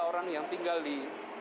orang yang tinggal di